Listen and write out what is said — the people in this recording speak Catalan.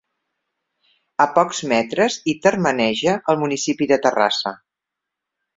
A pocs metres hi termeneja el municipi de Terrassa.